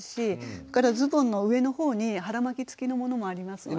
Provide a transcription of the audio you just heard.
それからズボンの上の方に腹巻き付きのものもありますので。